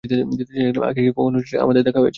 আগে কি কখনো আমাদের দেখা হয়েছিল?